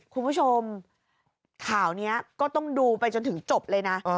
คุณผู้ชมข่าวนี้ก็ต้องดูไปจนถึงจบเลยนะ